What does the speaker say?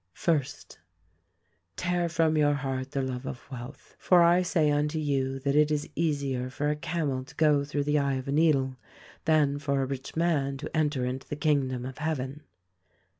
"First: Tear from your heart the love of wealth; for I say unto you that it is easier for a camel to go through the eye of a needle than for a rich man to enter into the kingdom of Heaven.